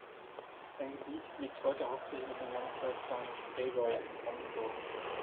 Sein Gebiet liegt heute hauptsächlich im Landkreis Dahme-Spreewald in Brandenburg.